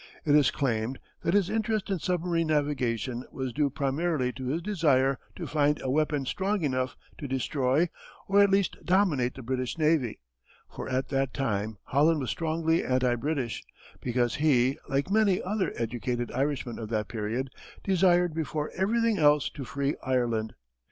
It is claimed that his interest in submarine navigation was due primarily to his desire to find a weapon strong enough to destroy or at least dominate the British navy; for at that time Holland was strongly anti British, because he, like many other educated Irishmen of that period, desired before everything else to free Ireland.